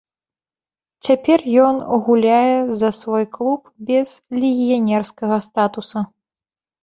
Цяпер ён гуляе за свой клуб без легіянерскага статуса.